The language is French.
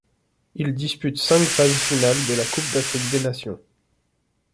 Il dispute cinq phases finales de la Coupe d'Afrique des nations.